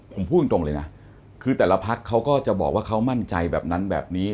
ผมพูดตรงเลยนะคือแต่ละพักเขาก็จะบอกว่าเขามั่นใจแบบนั้นแบบนี้